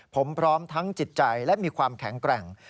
ผมพร้อมทั้งจิตใจและมีความแข็งแกร่ง